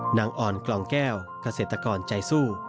นอนอ่อนกล่องแก้วเกษตรกรใจสู้